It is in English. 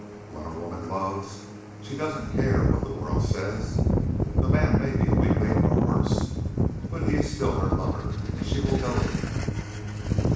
When a woman loves, she doesn't care what the world says; the man may be a weakling, or worse, but he is still her lover, and she will go to him."